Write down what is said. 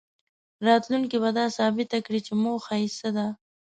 راتلونکې به دا ثابته کړي چې موخه یې څه ده.